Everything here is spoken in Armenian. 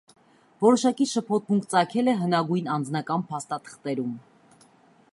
Որոշակի շփոթմունք ծագել է հնագույն անձնական փաստաթղթերում։